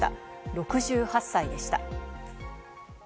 ６８歳でした。